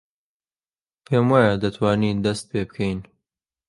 پێم وایە دەتوانین دەست پێ بکەین.